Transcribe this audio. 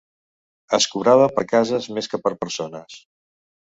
Es cobrava per cases més que per persones.